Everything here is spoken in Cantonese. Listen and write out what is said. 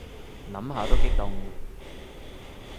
諗下都激動